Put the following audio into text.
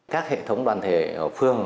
các hệ thống đoàn thể phương